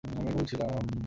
আমি ভুল ছিলাম।